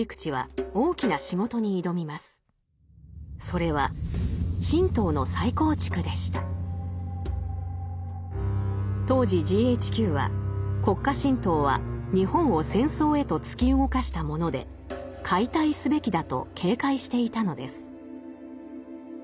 それは当時ＧＨＱは国家神道は日本を戦争へと突き動かしたもので解体すべきだと警戒していたのです。